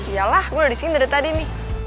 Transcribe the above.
yalah gue udah disini dari tadi nih